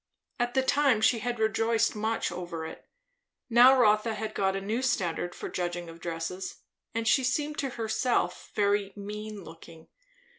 At the time she had rejoiced much over it; now Rotha had got a new standard for judging of dresses, and she seemed to herself very "mean" looking.